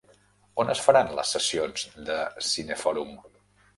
On es faran les sessions de cinefòrum?